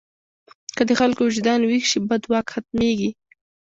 که د خلکو وجدان ویښ شي، بد واک ختمېږي.